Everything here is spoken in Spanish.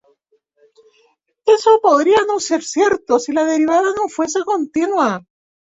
Eso podría no ser cierto si la derivada no fuese continua.